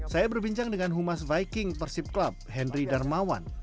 saya berbincang dengan humas viking persib club henry darmawan